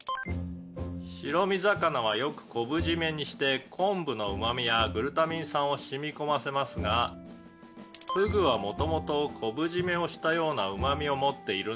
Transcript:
「白身魚はよく昆布締めにして昆布のうま味やグルタミン酸を染み込ませますがフグは元々昆布締めをしたようなうま味を持っているんです」